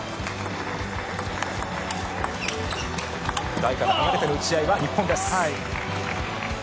台から離れての打ち合いは日本です。